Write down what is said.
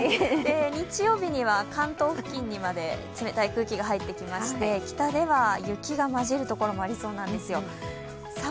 日曜日には関東付近にまで冷たい空気が入ってきまして北では雪が交じるところもありそうなんです。